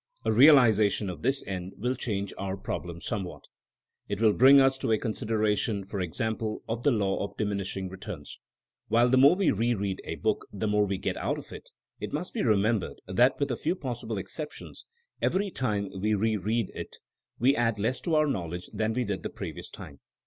A realization of this end will change our problem somewhat. It will bring us to a consideration, for exam ple, of the law of diminishing returns. While the more we re read a book the more we get out of it, it must be remembered that with a few possible exceptions, every time we re read it we add less to our knowledge than we did the previous time.